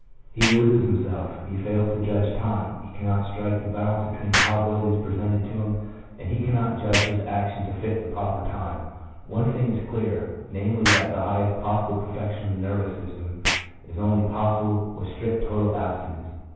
He loses himself, he fails to judge time, he cannot strike the balance between probabilities presented to him, and he cannot judge his action to fit the proper time: — "one thing is clear — namely, that the highest possible perfection of the nervous system is only possible with strict total abstinence."